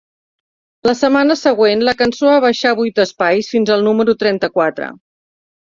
La setmana següent, la cançó va baixar vuit espais fins al número trenta-quatre.